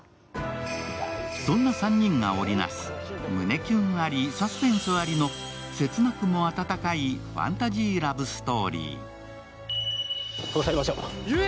そんな３人が織り成す胸キュンありサスペンスありの切なくも温かいファンタジーラブストーリー。